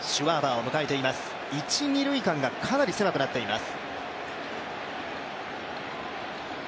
一・二塁間がかなり狭くなっています。